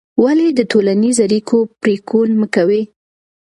ولې د ټولنیزو اړیکو پرېکون مه کوې؟